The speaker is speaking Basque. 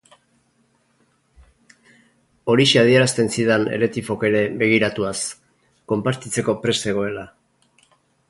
Horixe adierazten zidan Ltifok ere begiratuaz, konpartitzeko prest zegoela.